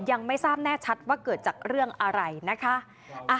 ยังไม่ทราบแน่ชัดว่าเกิดจากเรื่องอะไรนะคะ